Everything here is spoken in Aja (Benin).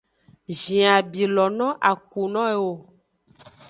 Zhin abi lo no a ku no eo.